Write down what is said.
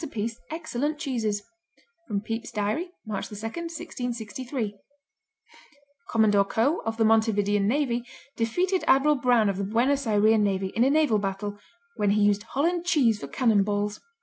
a piece, excellent cheeses. Pepys' Diary, March 2,1663 Commodore Coe, of the Montevidian Navy, defeated Admiral Brown of the Buenos Ayrean Navy, in a naval battle, when he used Holland cheese for cannon balls.